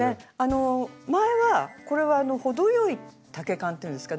前はこれは程よい丈感っていうんですか。